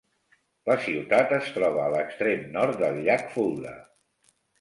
La ciutat es troba a l'extrem nord del llac Fulda.